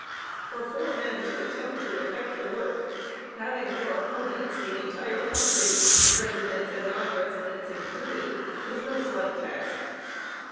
For four men to attempt to effect a work, having for opponents the entire country, residents and non residents included, was no slight task.